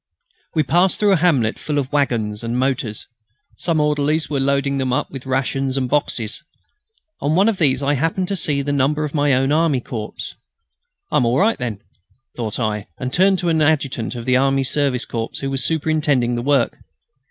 We passed through a hamlet full of waggons and motors. Some orderlies were loading them up with rations and boxes. On one of these I happened to see the number of my own army corps. "I'm all right then," thought I, and turned to an adjutant of the Army Service Corps, who was superintending the work.